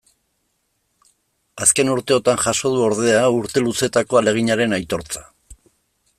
Azken urteotan jaso du, ordea, urte luzetako ahaleginaren aitortza.